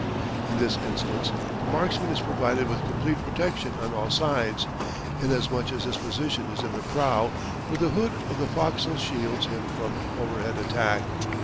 In this instance the marksman is provided with complete protection on all sides, inasmuch as his position is in the prow, where the hood of the fo'c's'le shields him from overhead attack.